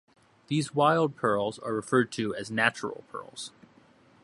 These wild pearls are referred to as "natural" pearls.